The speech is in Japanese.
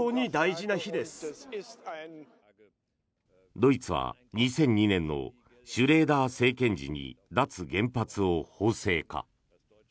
ドイツは２００２年のシュレーダー政権時に脱原発を法制化。